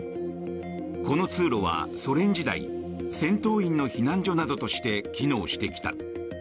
この通路は、ソ連時代戦闘員の避難所などとして機能してきた。